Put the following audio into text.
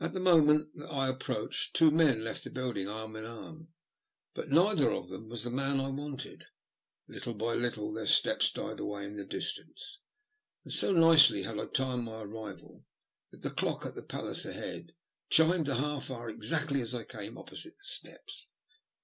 At the moment that I approached, two men left the building arm in arm, but neither of them was the man I wanted. Little by little their steps died away in the distance, and so nicely had I timed my arrival that the clock at the Palace ahead chimed the half hour exactly as I came opposite the steps.